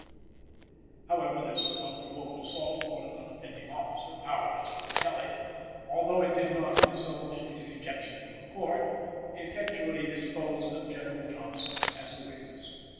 However, this unprovoked assault upon an unoffending officer, powerless to repel it, although it did not result in his ejection from the Court, effectually disposed of General Johnson as a witness.